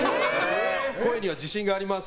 声には自信があります。